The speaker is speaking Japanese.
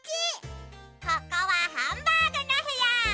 ここはハンバーグのへや！